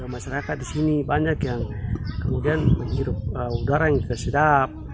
masyarakat di sini banyak yang kemudian menghirup udara yang juga sedap